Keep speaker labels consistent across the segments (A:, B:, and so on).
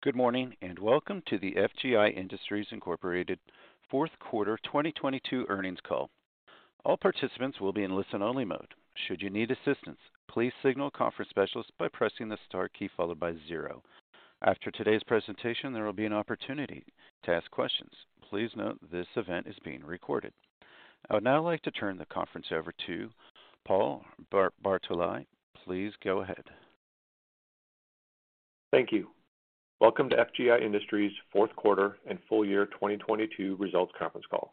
A: Good morning, and welcome to the FGI Industries Incorporated fourth quarter 2022 earnings call. All participants will be in listen-only mode. Should you need assistance, please signal a conference specialist by pressing the star key followed by zero. After today's presentation, there will be an opportunity to ask questions. Please note this event is being recorded. I would now like to turn the conference over to Paul Bartolai. Please go ahead.
B: Thank you. Welcome to FGI Industries fourth quarter and full year 2022 results conference call.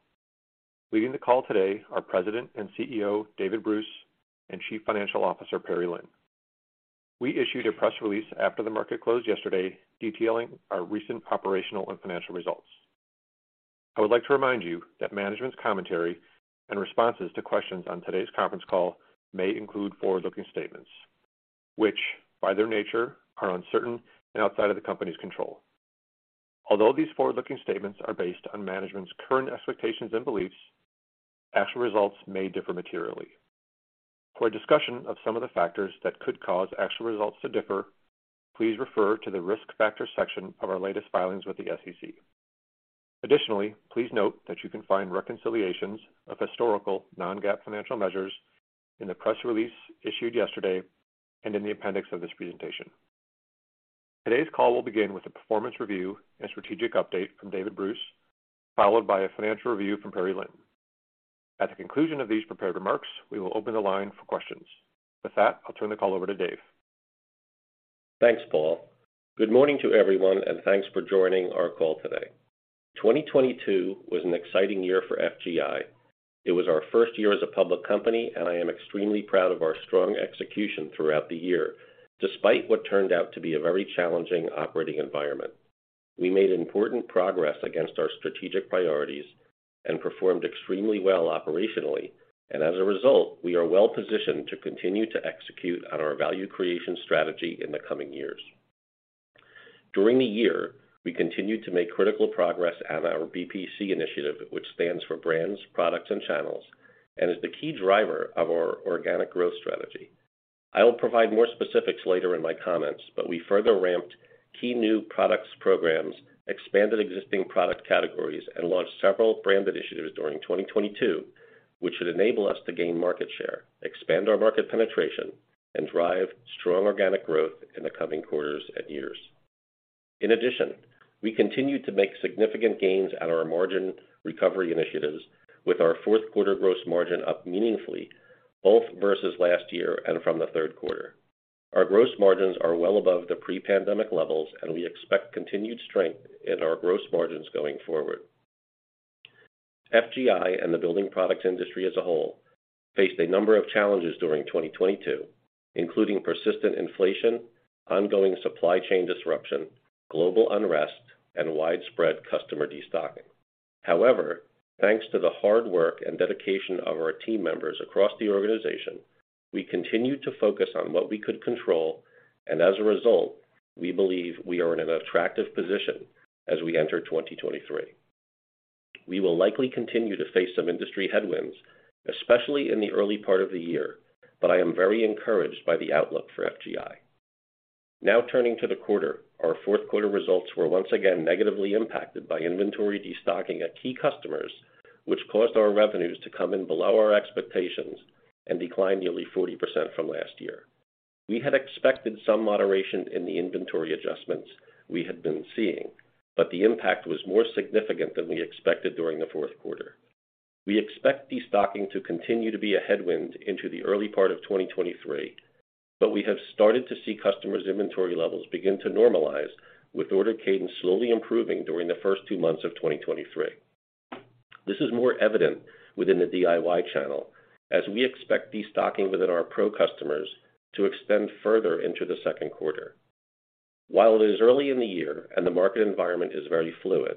B: Leading the call today are President and CEO, David Bruce, and Chief Financial Officer, Perry Lin. We issued a press release after the market closed yesterday detailing our recent operational and financial results. I would like to remind you that management's commentary and responses to questions on today's conference call may include forward-looking statements, which, by their nature, are uncertain and outside of the company's control. Although these forward-looking statements are based on management's current expectations and beliefs, actual results may differ materially. For a discussion of some of the factors that could cause actual results to differ, please refer to the Risk Factors section of our latest filings with the SEC. Additionally, please note that you can find reconciliations of historical non-GAAP financial measures in the press release issued yesterday and in the appendix of this presentation. Today's call will begin with a performance review and strategic update from David Bruce, followed by a financial review from Perry Lin. At the conclusion of these prepared remarks, we will open the line for questions. With that, I'll turn the call over to Dave.
C: Thanks, Paul. Good morning to everyone, and thanks for joining our call today. 2022 was an exciting year for FGI. It was our first year as a public company. I am extremely proud of our strong execution throughout the year, despite what turned out to be a very challenging operating environment. We made important progress against our strategic priorities and performed extremely well operationally. As a result, we are well-positioned to continue to execute on our value creation strategy in the coming years. During the year, we continued to make critical progress on our BPC initiative, which stands for Brands, Products, and Channels and is the key driver of our organic growth strategy. I will provide more specifics later in my comments, but we further ramped key new products programs, expanded existing product categories, and launched several branded initiatives during 2022, which should enable us to gain market share, expand our market penetration, and drive strong organic growth in the coming quarters and years. In addition, we continued to make significant gains at our margin recovery initiatives with our fourth quarter gross margin up meaningfully, both versus last year and from the third quarter. Our gross margins are well above the pre-pandemic levels, and we expect continued strength in our gross margins going forward. FGI and the building products industry as a whole faced a number of challenges during 2022, including persistent inflation, ongoing supply chain disruption, global unrest, and widespread customer destocking. Thanks to the hard work and dedication of our team members across the organization, we continued to focus on what we could control, and as a result, we believe we are in an attractive position as we enter 2023. We will likely continue to face some industry headwinds, especially in the early part of the year, but I am very encouraged by the outlook for FGI. Turning to the quarter. Our fourth quarter results were once again negatively impacted by inventory destocking at key customers, which caused our revenues to come in below our expectations and declined nearly 40% from last year. We had expected some moderation in the inventory adjustments we had been seeing, but the impact was more significant than we expected during the fourth quarter. We expect destocking to continue to be a headwind into the early part of 2023, but we have started to see customers' inventory levels begin to normalize with order cadence slowly improving during the first two months of 2023. This is more evident within the DIY channel as we expect destocking within our pro customers to extend further into the second quarter. It is early in the year and the market environment is very fluid,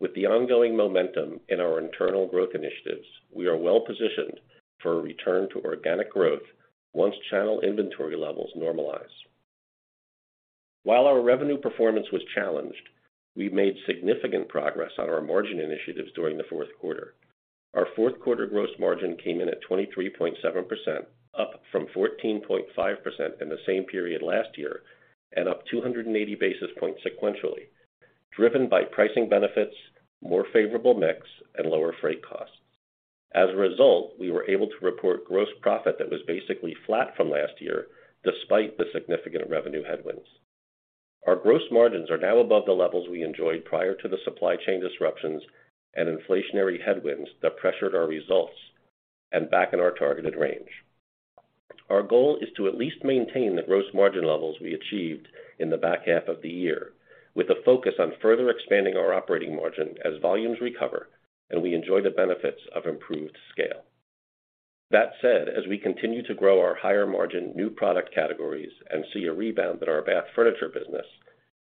C: with the ongoing momentum in our internal growth initiatives, we are well-positioned for a return to organic growth once channel inventory levels normalize. Our revenue performance was challenged, we made significant progress on our margin initiatives during the fourth quarter. Our fourth quarter gross margin came in at 23.7%, up from 14.5% in the same period last year and up 280 basis points sequentially, driven by pricing benefits, more favorable mix, and lower freight costs. We were able to report gross profit that was basically flat from last year despite the significant revenue headwinds. Our gross margins are now above the levels we enjoyed prior to the supply chain disruptions and inflationary headwinds that pressured our results and back in our targeted range. Our goal is to at least maintain the gross margin levels we achieved in the back half of the year with a focus on further expanding our operating margin as volumes recover and we enjoy the benefits of improved scale. That said, as we continue to grow our higher margin new product categories and see a rebound at our Bath Furniture business,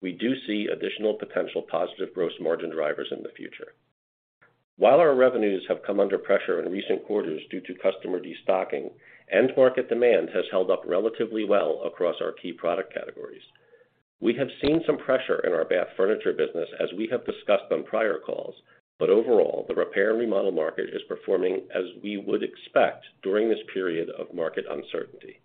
C: we do see additional potential positive gross margin drivers in the future. While our revenues have come under pressure in recent quarters due to customer destocking, end market demand has held up relatively well across our key product categories. We have seen some pressure in our Bath Furniture business as we have discussed on prior calls, but overall, the repair and remodel market is performing as we would expect during this period of market uncertainty.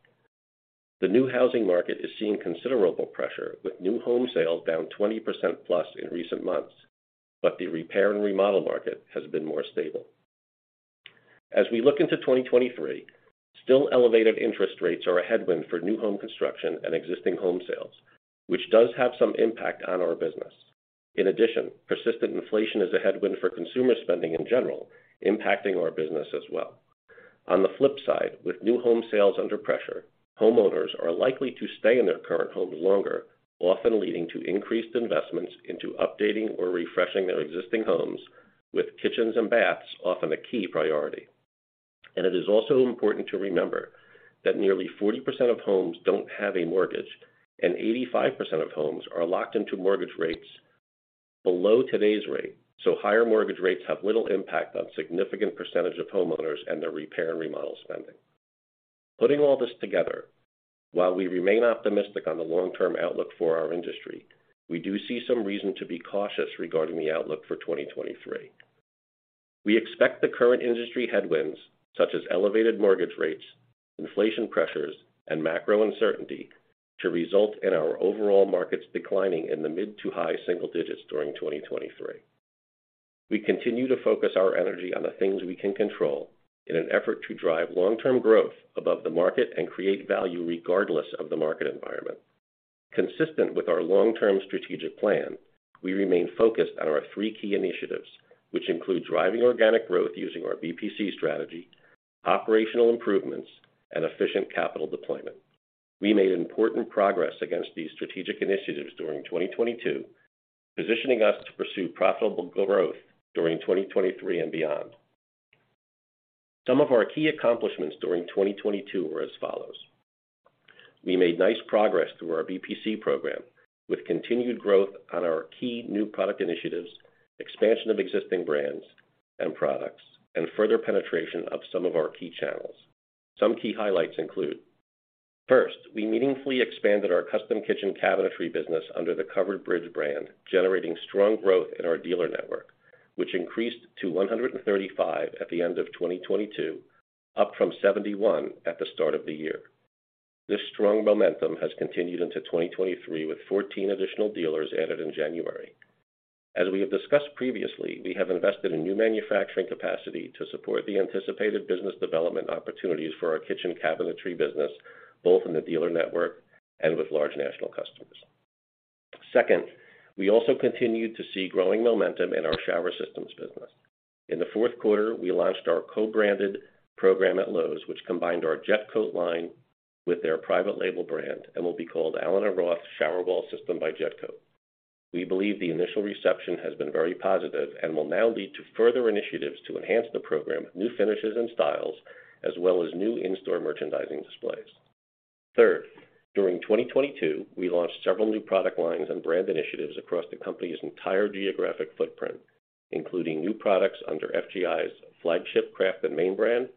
C: The new housing market is seeing considerable pressure, with new home sales down 20%+ in recent months, but the repair and remodel market has been more stable. As we look into 2023, still elevated interest rates are a headwind for new home construction and existing home sales, which does have some impact on our business. In addition, persistent inflation is a headwind for consumer spending in general, impacting our business as well. On the flip side, with new home sales under pressure, homeowners are likely to stay in their current homes longer, often leading to increased investments into updating or refreshing their existing homes, with kitchens and baths often a key priority. It is also important to remember that nearly 40% of homes don't have a mortgage, and 85% of homes are locked into mortgage rates below today's rate. Higher mortgage rates have little impact on significant percentage of homeowners and their repair and remodel spending. Putting all this together, while we remain optimistic on the long-term outlook for our industry, we do see some reason to be cautious regarding the outlook for 2023. We expect the current industry headwinds, such as elevated mortgage rates, inflation pressures, and macro uncertainty to result in our overall markets declining in the mid to high single digits during 2023. We continue to focus our energy on the things we can control in an effort to drive long-term growth above the market and create value regardless of the market environment. Consistent with our long-term strategic plan, we remain focused on our three key initiatives, which include driving organic growth using our BPC strategy, operational improvements, and efficient capital deployment. We made important progress against these strategic initiatives during 2022, positioning us to pursue profitable growth during 2023 and beyond. Some of our key accomplishments during 2022 were as follows: We made nice progress through our BPC program with continued growth on our key new product initiatives, expansion of existing brands and products, and further penetration of some of our key channels. Some key highlights include: First, we meaningfully expanded our custom kitchen cabinetry business under the Covered Bridge brand, generating strong growth in our dealer network, which increased to 135 at the end of 2022, up from 71 at the start of the year. This strong momentum has continued into 2023, with 14 additional dealers added in January. As we have discussed previously, we have invested in new manufacturing capacity to support the anticipated business development opportunities for our kitchen cabinetry business, both in the dealer network and with large national customers. We also continued to see growing momentum in our shower systems business. In the 4th quarter, we launched our co-branded program at Lowe's, which combined our Jetcoat line with their private label brand and will be called Allen + Roth Shower Wall System. We believe the initial reception has been very positive and will now lead to further initiatives to enhance the program, new finishes and styles, as well as new in-store merchandising displays. During 2022, we launched several new product lines and brand initiatives across the company's entire geographic footprint, including new products under FGI's flagship Craft + Main brand,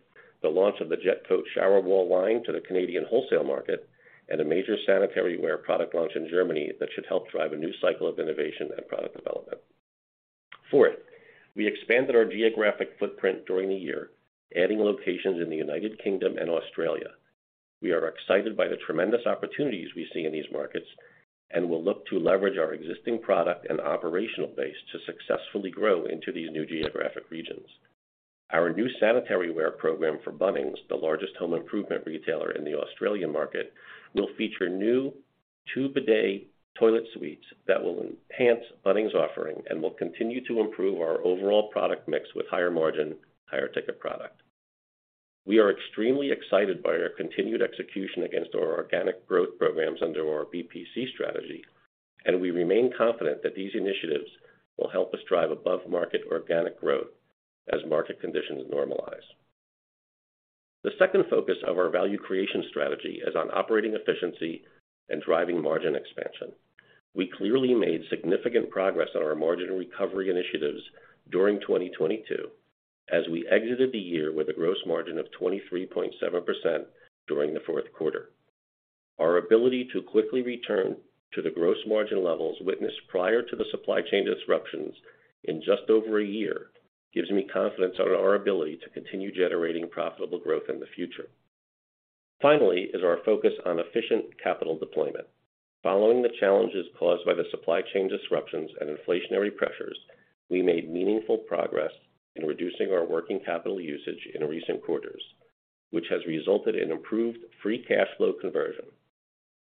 C: the launch of the Jetcoat shower wall line to the Canadian wholesale market, and a major Sanitaryware product launch in Germany that should help drive a new cycle of innovation and product development. Fourth, we expanded our geographic footprint during the year, adding locations in the United Kingdom and Australia. We are excited by the tremendous opportunities we see in these markets and will look to leverage our existing product and operational base to successfully grow into these new geographic regions. Our new Sanitaryware program for Bunnings, the largest home improvement retailer in the Australian market, will feature new two-bidet toilet suites that will enhance Bunnings' offering and will continue to improve our overall product mix with higher-margin, higher-ticket product. We are extremely excited by our continued execution against our organic growth programs under our BPC strategy, and we remain confident that these initiatives will help us drive above-market organic growth as market conditions normalize. The second focus of our value creation strategy is on operating efficiency and driving margin expansion. We clearly made significant progress on our margin recovery initiatives during 2022 as we exited the year with a gross margin of 23.7% during the fourth quarter. Our ability to quickly return to the gross margin levels witnessed prior to the supply chain disruptions in just over a year gives me confidence on our ability to continue generating profitable growth in the future. Finally is our focus on efficient capital deployment. Following the challenges caused by the supply chain disruptions and inflationary pressures, we made meaningful progress in reducing our working capital usage in recent quarters, which has resulted in improved free cash flow conversion.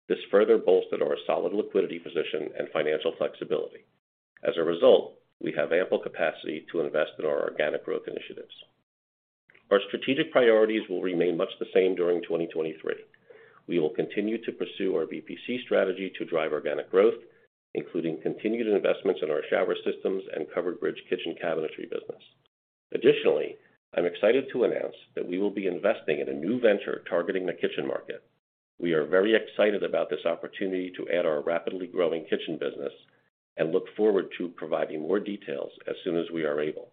C: This further bolstered our solid liquidity position and financial flexibility. As a result, we have ample capacity to invest in our organic growth initiatives. Our strategic priorities will remain much the same during 2023. We will continue to pursue our BPC strategy to drive organic growth, including continued investments in our shower systems and Covered Bridge kitchen cabinetry business. Additionally, I'm excited to announce that we will be investing in a new venture targeting the kitchen market. We are very excited about this opportunity to add our rapidly growing kitchen business and look forward to providing more details as soon as we are able.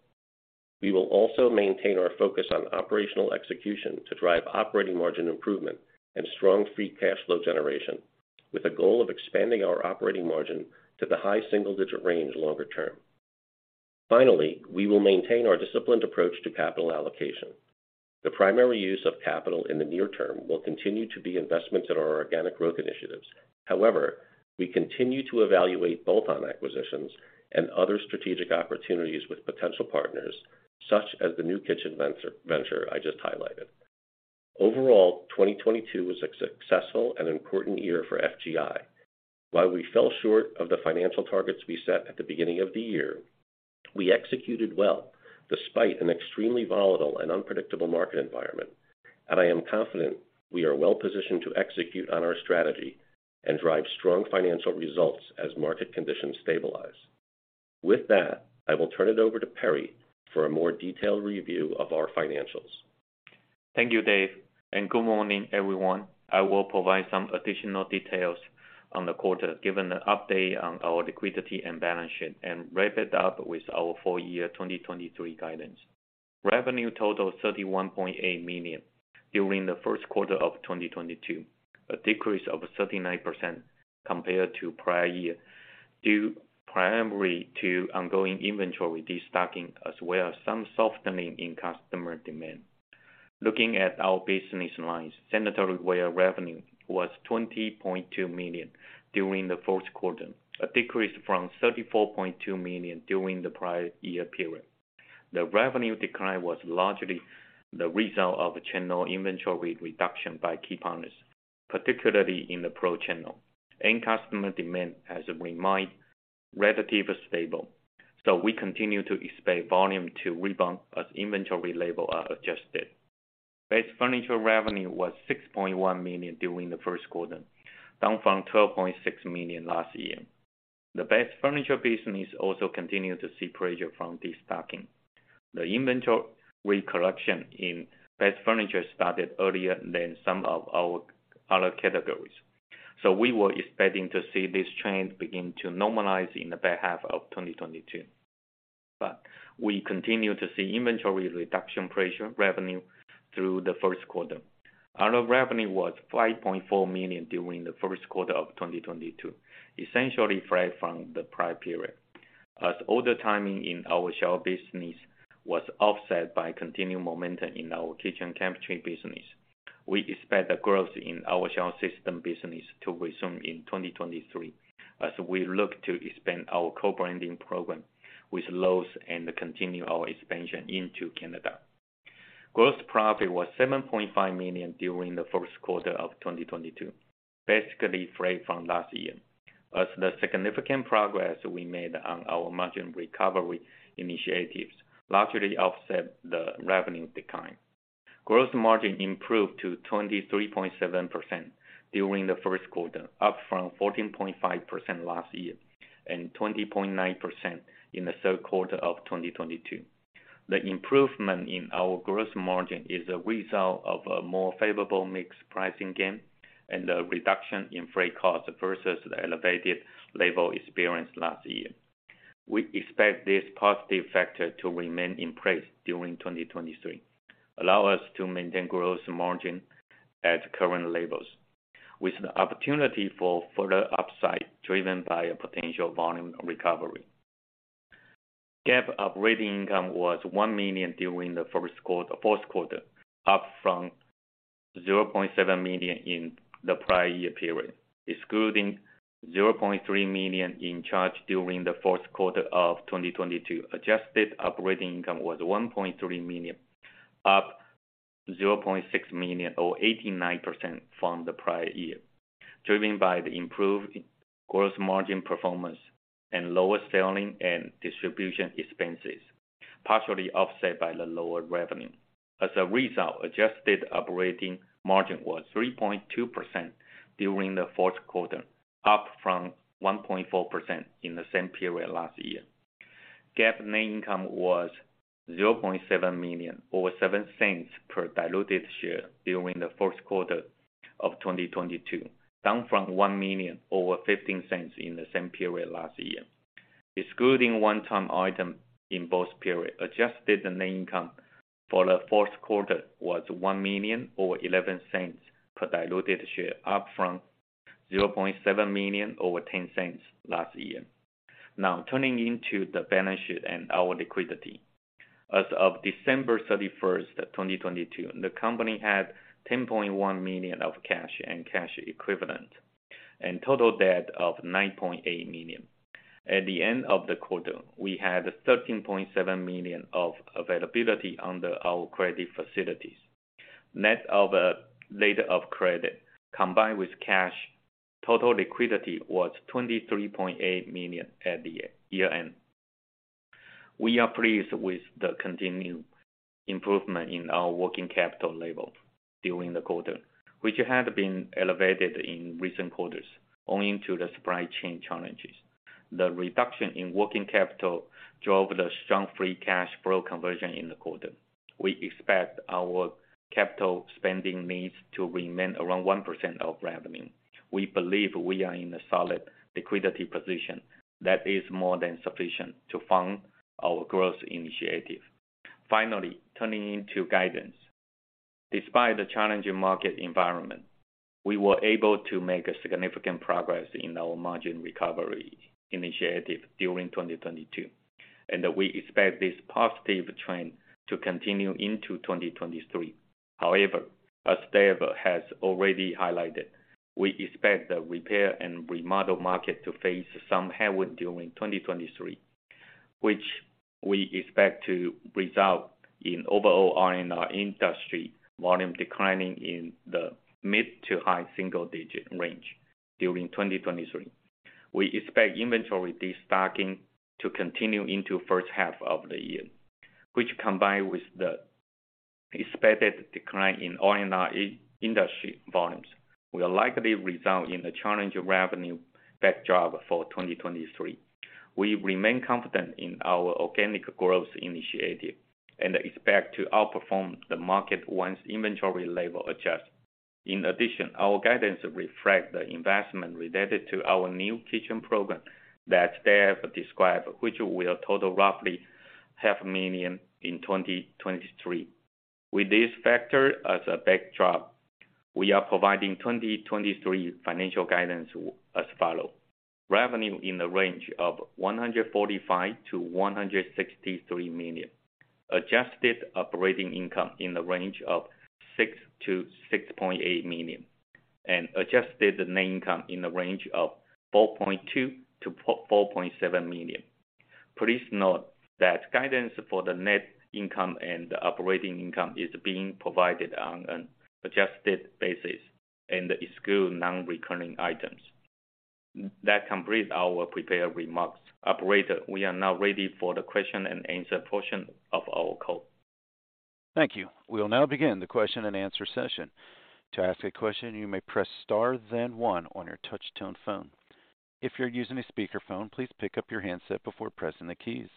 C: We will also maintain our focus on operational execution to drive operating margin improvement and strong free cash flow generation with a goal of expanding our operating margin to the high single-digit range longer term. Finally, we will maintain our disciplined approach to capital allocation. The primary use of capital in the near term will continue to be investments in our organic growth initiatives. We continue to evaluate bolt-on acquisitions and other strategic opportunities with potential partners, such as the new kitchen venture I just highlighted. Overall, 2022 was a successful and important year for FGI. While we fell short of the financial targets we set at the beginning of the year, we executed well despite an extremely volatile and unpredictable market environment, and I am confident we are well positioned to execute on our strategy and drive strong financial results as market conditions stabilize. With that, I will turn it over to Perry for a more detailed review of our financials.
D: Thank you, Dave. Good morning, everyone. I will provide some additional details on the quarter, given the update on our liquidity and balance sheet, and wrap it up with our full year 2023 guidance. Revenue total $31.8 million during the first quarter of 2022, a decrease of 39% compared to prior year, due primarily to ongoing inventory destocking as well as some softening in customer demand. Looking at our business lines, Sanitaryware revenue was $20.2 million during the fourth quarter, a decrease from $34.2 million during the prior year period. The revenue decline was largely the result of channel inventory reduction by key partners, particularly in the pro channel. End customer demand has remained relatively stable, so we continue to expect volume to rebound as inventory levels are adjusted. Bath Furniture revenue was $6.1 million during the first quarter, down from $12.6 million last year. The Bath Furniture business also continued to see pressure from destocking. The inventory correction in Bath Furniture started earlier than some of our other categories, so we were expecting to see this trend begin to normalize in the back half of 2022. We continue to see inventory reduction pressure revenue through the first quarter. Our revenue was $5.4 million during the first quarter of 2022, essentially flat from the prior period. Order timing in our shower business was offset by continued momentum in our kitchen cabinetry business. We expect the growth in our shower system business to resume in 2023 as we look to expand our co-branding program with Lowe's and continue our expansion into Canada. Gross profit was $7.5 million during the first quarter of 2022, basically flat from last year. The significant progress we made on our margin recovery initiatives largely offset the revenue decline. Gross margin improved to 23.7% during the first quarter, up from 14.5% last year and 20.9% in the third quarter of 2022. The improvement in our gross margin is a result of a more favorable mix pricing gain and a reduction in freight costs versus the elevated level experienced last year. We expect this positive factor to remain in place during 2023, allow us to maintain gross margin at current levels with the opportunity for further upside driven by a potential volume recovery. GAAP operating income was $1 million during the first quarter, or fourth quarter, up from $0.7 million in the prior year period, excluding $0.3 million in charge during the fourth quarter of 2022. Adjusted operating income was $1.3 million, up $0.6 million or 89% from the prior year, driven by the improved gross margin performance and lower selling and distribution expenses, partially offset by the lower revenue. As a result, adjusted operating margin was 3.2% during the fourth quarter, up from 1.4% in the same period last year. GAAP net income was $0.7 million over $0.07 per diluted share during the fourth quarter of 2022, down from $1 million over $0.15 in the same period last year. Excluding one-time item in both periods, adjusted net income for the fourth quarter was $1 million over $0.11 per diluted share, up from $0.7 million over $0.10 last year. Turning into the balance sheet and our liquidity. As of December 31, 2022, the company had $10.1 million of cash and cash equivalent and total debt of $9.8 million. At the end of the quarter, we had $13.7 million of availability under our credit facilities. Net of letter of credit combined with cash, total liquidity was $23.8 million at the year end. We are pleased with the continued improvement in our working capital level during the quarter, which had been elevated in recent quarters owing to the supply chain challenges. The reduction in working capital drove the strong free cash flow conversion in the quarter. We expect our capital spending needs to remain around 1% of revenue. We believe we are in a solid liquidity position that is more than sufficient to fund our growth initiative. Finally, turning to guidance. Despite the challenging market environment, we were able to make a significant progress in our margin recovery initiative during 2022, and we expect this positive trend to continue into 2023. As Dave has already highlighted, we expect the repair and remodel market to face some headwind during 2023, which we expect to result in overall R&R industry volume declining in the mid-to-high single-digit range during 2023. We expect inventory destocking to continue into first half of the year, which combined with the expected decline in R&R industry volumes, will likely result in a challenging revenue backdrop for 2023. We remain confident in our organic growth initiative and expect to outperform the market once inventory level adjusts. In addition, our guidance reflect the investment related to our new kitchen program that Dave described, which will total roughly half million in 2023. With this factor as a backdrop, we are providing 2023 financial guidance as follow. Revenue in the range of $145 million-$163 million. Adjusted operating income in the range of $6 million-$6.8 million. Adjusted net income in the range of $4.2 million-$4.7 million. Please note that guidance for the net income and operating income is being provided on an adjusted basis and exclude non-recurring items. That completes our prepared remarks. Operator, we are now ready for the question and answer portion of our call.
A: Thank you. We'll now begin the question and answer session. To ask a question, you may press star then one on your touch tone phone. If you're using a speaker phone, please pick up your handset before pressing the keys.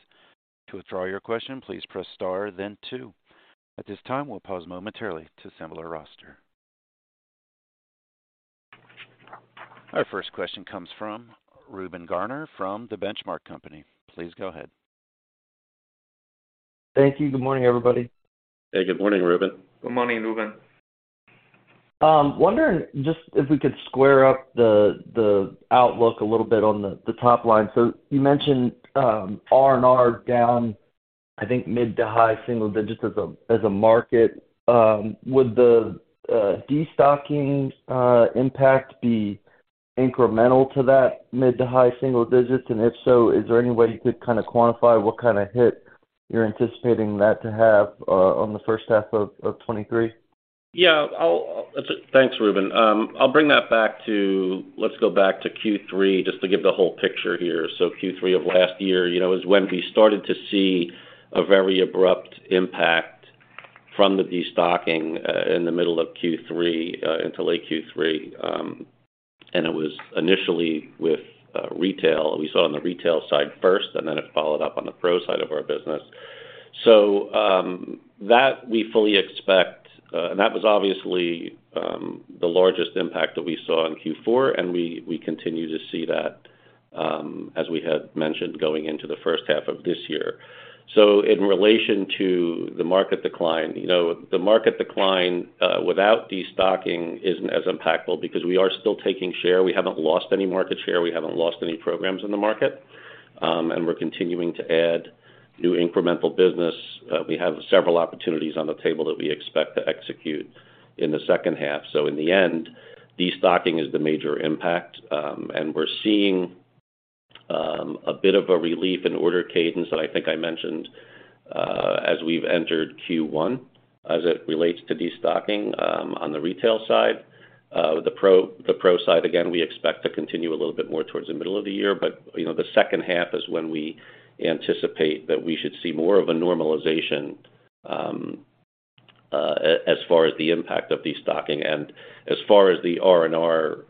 A: To withdraw your question, please press star then two. At this time, we'll pause momentarily to assemble our roster. Our first question comes from Reuben Garner from The Benchmark Company. Please go ahead.
E: Thank you. Good morning, everybody.
C: Hey, good morning, Reuben.
D: Good morning, Reuben.
E: Wondering just if we could square up the outlook a little bit on the top line. You mentioned R&R down, I think mid to high single digits as a market. Would the destocking impact be incremental to that mid to high single digits? If so, is there any way you could kinda quantify what kinda hit you're anticipating that to have on the first half of 2023?
C: Yeah. Thanks, Reuben. Let's go back to Q3 just to give the whole picture here. Q3 of last year, you know, is when we started to see a very abrupt impact from the destocking, in the middle of Q3, into late Q3. It was initially with retail. We saw it on the retail side first. It followed up on the pro side of our business. That we fully expect. That was obviously the largest impact that we saw in Q4. We continue to see that, as we had mentioned, going into the first half of this year. In relation to the market decline, you know, the market decline, without destocking isn't as impactful because we are still taking share. We haven't lost any market share. We haven't lost any programs in the market. We're continuing to add new incremental business. We have several opportunities on the table that we expect to execute in the second half. In the end, destocking is the major impact, and we're seeing a bit of a relief in order cadence that I think I mentioned, as we've entered Q1 as it relates to destocking on the retail side. The pro side, again, we expect to continue a little bit more towards the middle of the year, you know, the second half is when we anticipate that we should see more of a normalization as far as the impact of destocking. As far as the R&R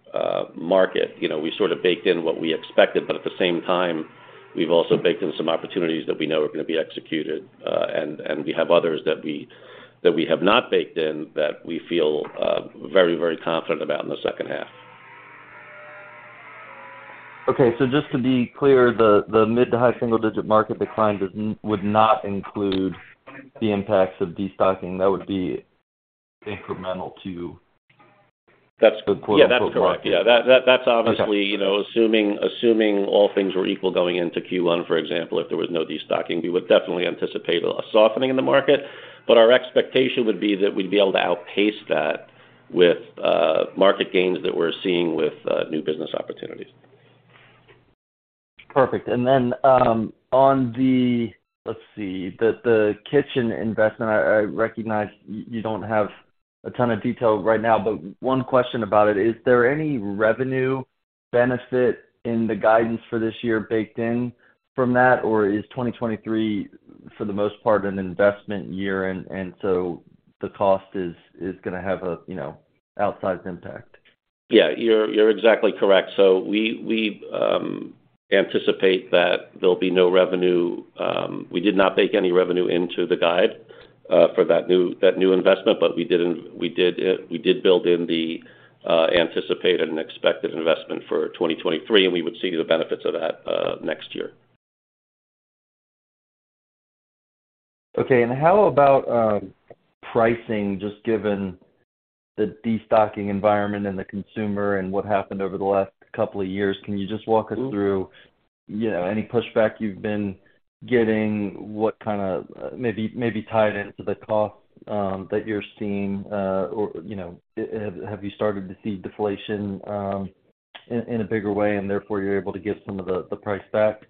C: market, you know, we sort of baked in what we expected, but at the same time, we've also baked in some opportunities that we know are gonna be executed, and we have others that we have not baked in that we feel very confident about in the second half.
E: Okay. Just to be clear, the mid to high single-digit market decline would not include the impacts of destocking. That would be incremental to-
C: That's-
E: -the quote, unquote market.
C: Yeah, that's correct. Yeah. That's obviously-
E: Okay.
C: -you know, assuming all things were equal going into Q1, for example, if there was no destocking, we would definitely anticipate a softening in the market. Our expectation would be that we'd be able to outpace that with market gains that we're seeing with new business opportunities.
E: Perfect. The kitchen investment, I recognize you don't have a ton of detail right now, but one question about it, is there any revenue benefit in the guidance for this year baked in from that? Is 2023, for the most part, an investment year, so the cost is gonna have a, you know, outsized impact?
C: Yeah. You're exactly correct. We anticipate that there'll be no revenue. We did not bake any revenue into the guide for that new investment, but we did build in the anticipated and expected investment for 2023, and we would see the benefits of that next year.
E: Okay. How about pricing just given the destocking environment and the consumer and what happened over the last couple of years? Can you just walk us through, you know, any pushback you've been getting? What kinda, maybe, tied into the cost that you're seeing, or, you know, have you started to see deflation in a bigger way, and therefore you're able to give some of the price back?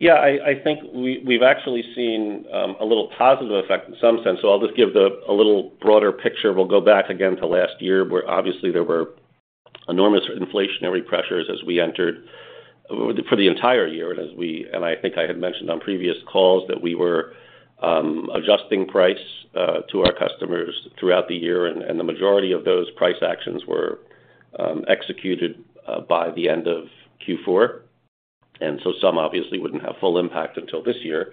C: Yeah, I think we've actually seen a little positive effect in some sense. I'll just give the a little broader picture. We'll go back again to last year, where obviously there were enormous inflationary pressures as we entered for the entire year. I think I had mentioned on previous calls that we were adjusting price to our customers throughout the year, and the majority of those price actions were executed by the end of Q4. Some obviously wouldn't have full impact until this year.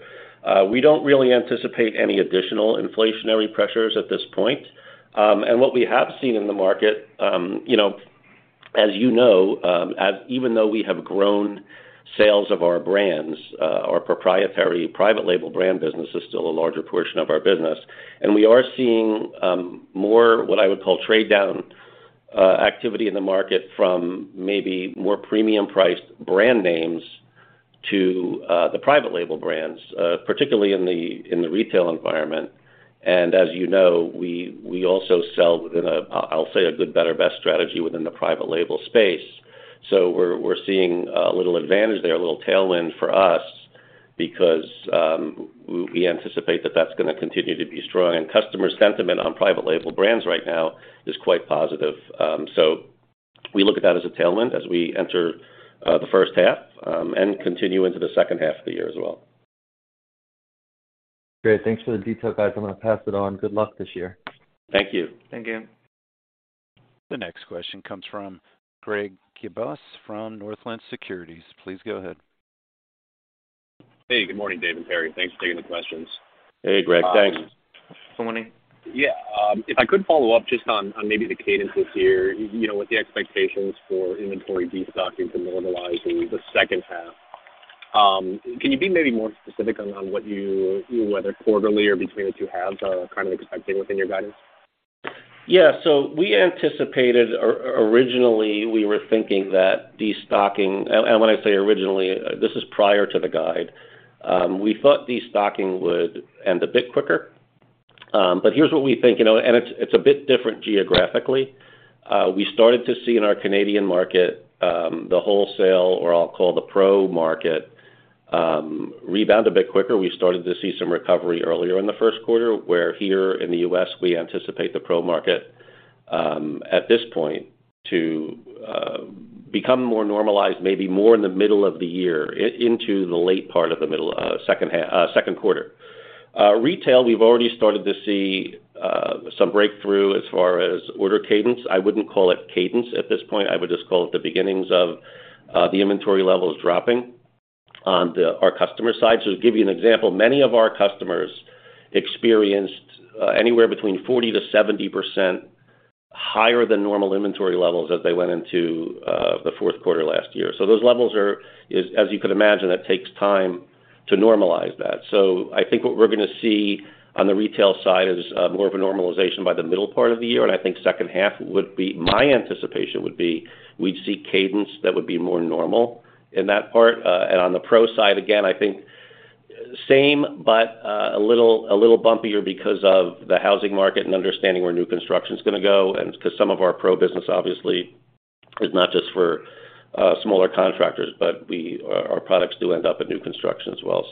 C: We don't really anticipate any additional inflationary pressures at this point. What we have seen in the market, you know, as you know, as even though we have grown sales of our brands, our proprietary private label brand business is still a larger portion of our business. We are seeing more what I would call trade-down activity in the market from maybe more premium priced brand names to the private label brands, particularly in the retail environment. As you know, we also sell within a, I'll say a good, better, best strategy within the private label space. We're seeing a little advantage there, a little tailwind for us because we anticipate that that's gonna continue to be strong. Customer sentiment on private label brands right now is quite positive. We look at that as a tailwind as we enter the first half and continue into the second half of the year as well.
E: Great. Thanks for the detail, guys. I'm gonna pass it on. Good luck this year.
C: Thank you.
D: Thank you.
A: The next question comes from Greg Gibas from Northland Securities. Please go ahead.
F: Hey, good morning, Dave and Perry. Thanks for taking the questions.
C: Hey, Greg. Thanks.
D: Good morning.
F: If I could follow up just on maybe the cadence this year, you know, with the expectations for inventory destocking to normalize in the second half, can you be maybe more specific on what you whether quarterly or between the two halves are kind of expecting within your guidance?
C: We anticipated or originally, we were thinking that destocking... And when I say originally, this is prior to the guide. We thought destocking would end a bit quicker. But here's what we think, you know, and it's a bit different geographically. We started to see in our Canadian market, the wholesale or I'll call the pro market, rebound a bit quicker. We started to see some recovery earlier in the first quarter, where here in the U.S., we anticipate the pro market, at this point to become more normalized, maybe more in the middle of the year, into the late part of the middle, second quarter. Retail, we've already started to see some breakthrough as far as order cadence. I wouldn't call it cadence at this point. I would just call it the beginnings of the inventory levels dropping on our customer side. To give you an example, many of our customers experienced anywhere between 40%-70% higher than normal inventory levels as they went into the fourth quarter last year. Those levels are, as you can imagine, that takes time to normalize that. I think what we're gonna see on the retail side is more of a normalization by the middle part of the year, and I think second half my anticipation would be we'd see cadence that would be more normal in that part. On the pro side, again, I think same, but a little bumpier because of the housing market and understanding where new construction's gonna go. 'Cause some of our pro business obviously is not just for smaller contractors, but our products do end up in new construction as well.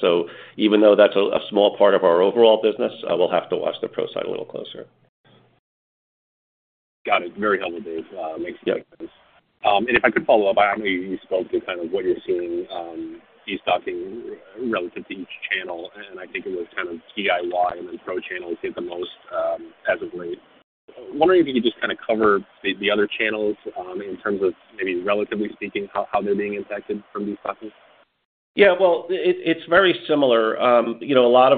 C: Even though that's a small part of our overall business, we'll have to watch the pro side a little closer.
F: Got it. Very helpful, Dave. makes sense. If I could follow up, I know you spoke to kind of what you're seeing, destocking relative to each channel, and I think it was kind of DIY and then pro channels hit the most, as of late. Wondering if you could just kinda cover the other channels, in terms of maybe relatively speaking, how they're being impacted from destocking?
C: Well, it's very similar. you know, a lot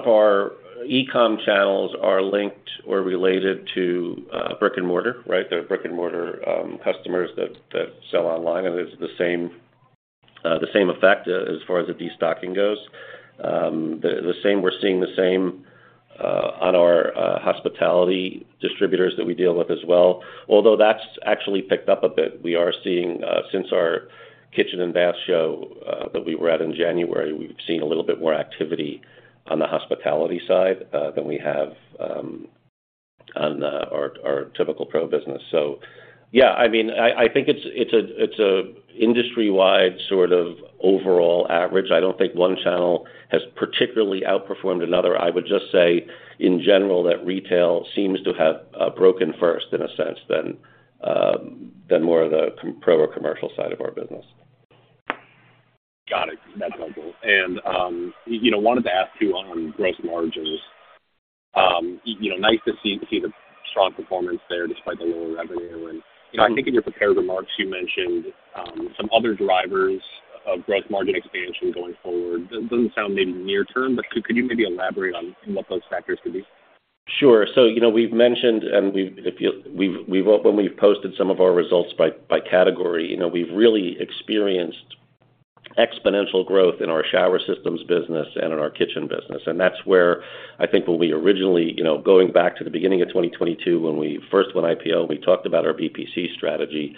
C: of our e-com channels are linked or related to brick-and-mortar, right? They're brick-and-mortar customers that sell online, it's the same, the same effect as far as the destocking goes. We're seeing the same on our hospitality distributors that we deal with as well, although that's actually picked up a bit. We are seeing since our kitchen and bath show that we were at in January, we've seen a little bit more activity on the hospitality side than we have on our typical pro business. Yeah. I mean, I think it's an industry-wide sort of overall average. I don't think one channel has particularly outperformed another. I would just say in general that retail seems to have broken first in a sense than more of the commercial side of our business.
F: Got it. That's helpful. you know, wanted to ask too on gross margins. you know, nice to see the strong performance there despite the lower revenue. you know, I think in your prepared remarks, you mentioned some other drivers of gross margin expansion going forward. doesn't sound maybe near term, but could you maybe elaborate on what those factors could be?
C: Sure. you know, we've mentioned when we've posted some of our results by category, you know, we've really experienced exponential growth in our shower systems business and in our kitchen business. That's where I think when we originally, you know, going back to the beginning of 2022 when we first went IPO, and we talked about our BPC strategy,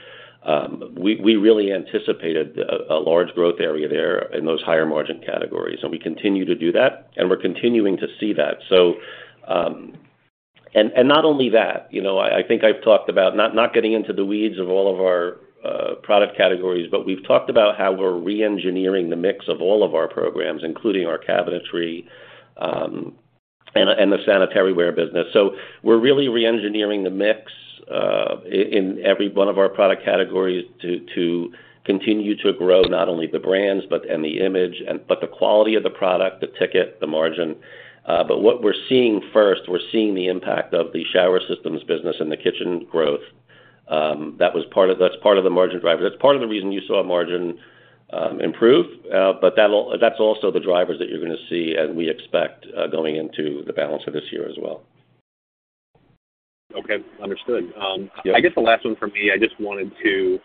C: we really anticipated a large growth area there in those higher margin categories. We continue to do that, and we're continuing to see that. and not only that, you know, I think I've talked about not getting into the weeds of all of our product categories, but we've talked about how we're re-engineering the mix of all of our programs, including our cabinetry, and the Sanitaryware business. We're really re-engineering the mix in every one of our product categories to continue to grow not only the brands but the quality of the product, the ticket, the margin. What we're seeing first, we're seeing the impact of the shower systems business and the kitchen growth, that's part of the margin driver. That's part of the reason you saw margin, improve, that's also the drivers that you're gonna see, and we expect, going into the balance of this year as well.
F: Okay. Understood.
C: Yeah.
F: I guess the last one for me, I just wanted to,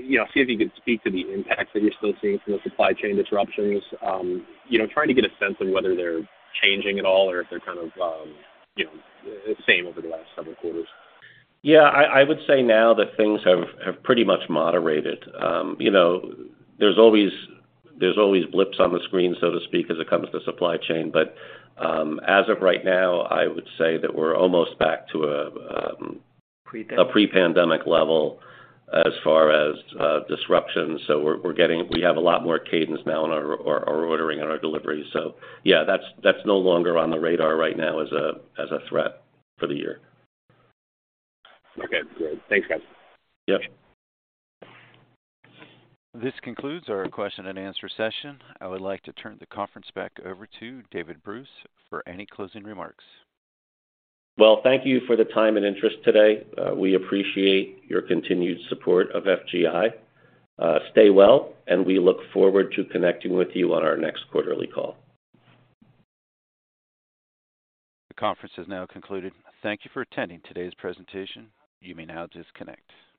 F: you know, see if you could speak to the impacts that you're still seeing from the supply chain disruptions. You know, trying to get a sense of whether they're changing at all or if they're kind of, you know, same over the last several quarters.
C: Yeah. I would say now that things have pretty much moderated. You know, there's always blips on the screen, so to speak, as it comes to supply chain. As of right now, I would say that we're almost back to a-
F: Pre-pandemic
C: -a pre-pandemic level as far as disruption. We have a lot more cadence now in our ordering and our delivery. Yeah, that's no longer on the radar right now as a, as a threat for the year.
F: Okay, great. Thanks, guys.
C: Yep.
A: This concludes our question and answer session. I would like to turn the conference back over to David Bruce for any closing remarks.
C: Thank you for the time and interest today. We appreciate your continued support of FGI. Stay well, and we look forward to connecting with you on our next quarterly call.
A: The conference has now concluded. Thank you for attending today's presentation. You may now disconnect.